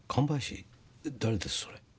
誰ですそれ。